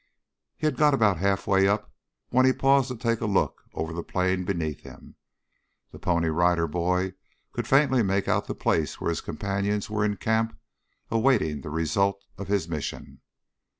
He had got about half way up when he paused to take a look over the plain beneath him. The Pony Rider Boy could faintly make out the place where his companions were in camp awaiting the result of his mission.